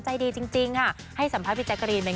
ใจดีจริงให้สัมภัยพี่แจ๊กกะรีน